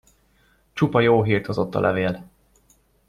Csupa jó hírt hozott a levél.